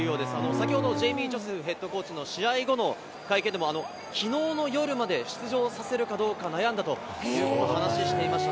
先ほど、ジェイミー・ジョセフヘッドコーチの試合後の会見でも、きのうの夜まで出場させるかどうか悩んだという話をしていました。